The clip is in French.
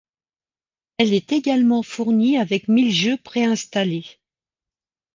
Elle est également fournie avec mille jeux pré-installé.